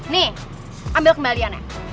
nih ambil kembaliannya